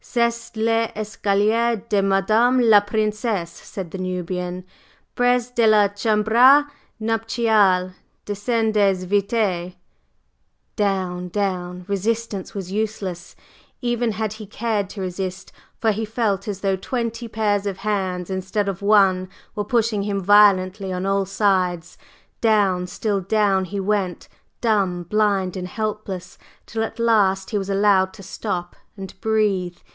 "C'est l'escalier de Madame la Princesse!" said the Nubian. "Prés de la chambre nuptiale! Descendez! Vite!" Down down! Resistance was useless, even had he cared to resist, for he felt as though twenty pairs of hands instead of one were pushing him violently on all sides; down, still down he went, dumb, blind and helpless, till at last he was allowed to stop and breathe.